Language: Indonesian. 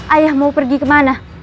ayah mau pergi kemana